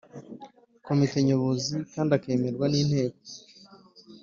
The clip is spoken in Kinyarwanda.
Komite nyobozi kandi akemerwa n Inteko